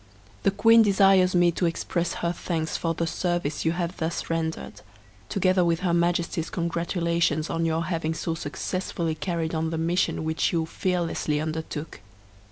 The Queen desires me to express her thanks for the service you have thus rendered, together with her Majesty's congratulations on your having so successfully carried on the mission which you fearlessly undertook.